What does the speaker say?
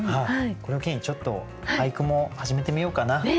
これを機にちょっと俳句も始めてみようかななんて。